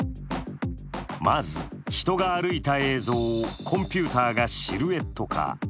まず人が歩いた映像をコンピュ−ターがシルエット化。